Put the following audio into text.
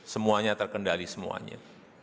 semuanya terkendali semuanya